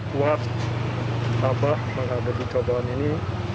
kuat sabah menghadapi cobaan ini